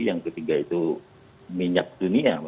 yang ketiga itu minyak dunia